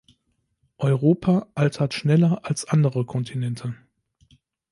Europa altert schneller als andere Kontinente.